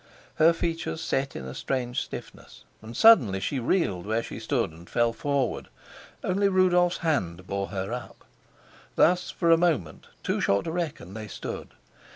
Her features set in a strange stiffness, and suddenly she reeled where she stood, and fell forward. Only Rudolf's hand bore her up. Thus for a moment, too short to reckon, they stood.